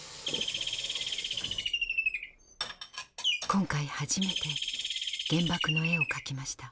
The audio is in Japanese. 今回初めて「原爆の絵」を描きました。